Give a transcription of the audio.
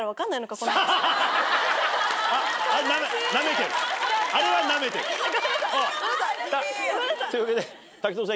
というわけで滝藤さん